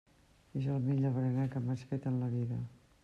És el millor berenar que m'has fet en la vida.